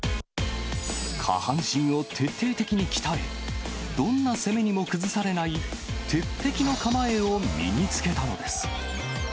下半身を徹底的に鍛え、どんな攻めにも崩されない鉄壁の構えを身につけたのです。